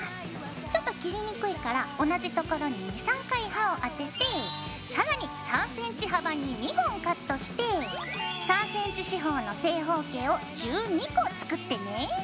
ちょっと切りにくいから同じところに２３回刃を当てて更に３ｃｍ幅に２本カットして３ｃｍ四方の正方形を１２個作ってね。